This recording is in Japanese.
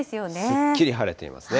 すっきり晴れていますね。